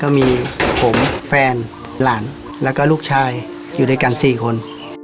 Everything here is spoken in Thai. มีผมแฟนหลานแล้วก็ลูกชายอยู่ด้วยกัน๔คน